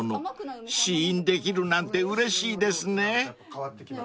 ［試飲できるなんてうれしいですね］